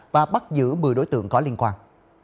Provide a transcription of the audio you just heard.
và bắt giữ một mươi đối tượng có liên quan